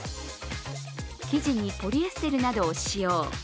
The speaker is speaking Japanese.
生地にポリエステルなどを使用。